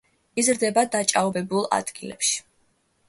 იზრდება დაჭაობებულ ადგილებზე.